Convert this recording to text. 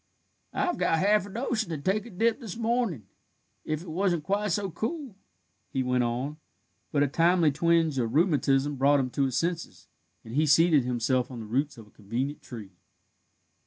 I've got half a notion to take a dip this mornin', if it wasn't quite so cool," he went on, but a timely twinge of rheumatism brought him to his senses, and he seated himself on the roots of a convenient tree.